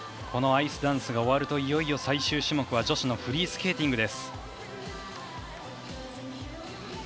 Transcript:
このアイスダンスが終わるといよいよ最終種目は女子のフリースケーティングです。